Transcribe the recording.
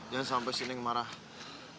jangan sampai si neng marah